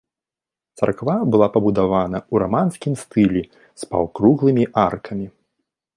Царква была пабудавана ў раманскім стылі з паўкруглымі аркамі.